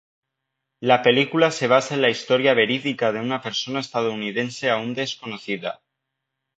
La película se basa en la historia verídica de una persona estadounidense aún desconocida.